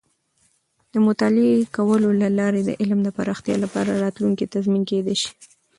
د مطالعه کولو له لارې د علم د پراختیا لپاره راتلونکې تضمین کیدی شي.